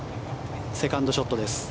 セカンドショットです。